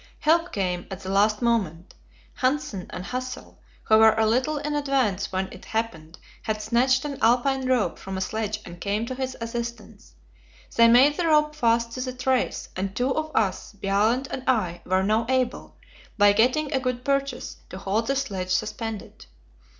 Help came at the last moment. Hanssen and Hassel, who were a little in advance when it happened, had snatched an Alpine rope from a sledge and came to his assistance. They made the rope fast to the trace, and two of us Bjaaland and I were now able, by getting a good purchase, to hold the sledge suspended.